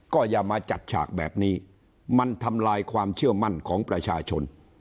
ก็อย่ามาจัดฉากแบบนี้มันทำลายความเชื่อมั่นของประชาชน